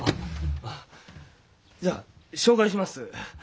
じゃあ紹介します。